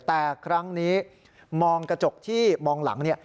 แต่ครั้งนี้มองกระจกที่มองหลังเนี่ย